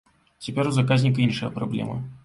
Цяпер у заказніка іншая праблема.